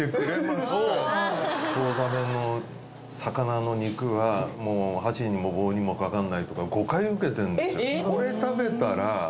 チョウザメの魚の肉はもう箸にも棒にもかかんないとか誤解受けてんですよ